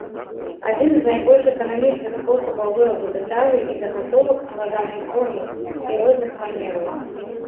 Адзін з найбольш эканамічных спосабаў вырабу дэталей і загатовак складанай формы і розных памераў.